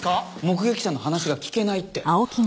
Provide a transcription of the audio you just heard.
目撃者の話が聞けないって。